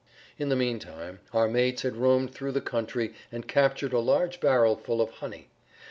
In the meantime our mates had roamed through the country and captured a large barrel full of honey.